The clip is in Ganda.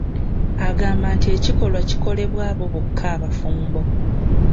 Agamba nti ekikolwa kikolebwa abo bokka abafumbo.